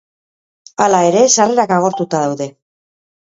Hala ere, sarrerak agortuta daude.